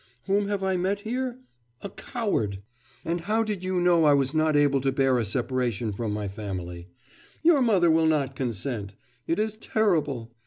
whom have I met here? a coward... and how did you know I was not able to bear a separation from my family? "Your mother will not consent... It is terrible!"